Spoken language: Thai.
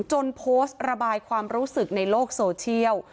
จนโพสต์ระบายความรู้สึกในโลกโซเชียล